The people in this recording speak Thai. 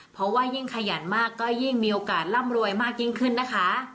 เพราะว่ายิ่งขยันมากก็ยิ่งมีโอกาสร่ำรวยมากยิ่งขึ้นนะคะ